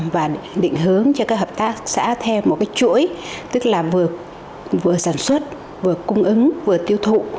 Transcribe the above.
vừa sản xuất vừa cung ứng vừa tiêu thụ